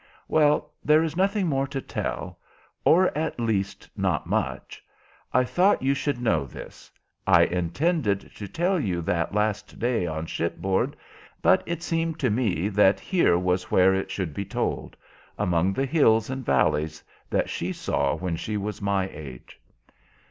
"Well, there is nothing more to tell, or at least, not much. I thought you should know this. I intended to tell you that last day on shipboard, but it seemed to me that here was where it should be told—among the hills and valleys that she saw when she was my age."